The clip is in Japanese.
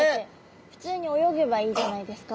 普通に泳げばいいんじゃないですか？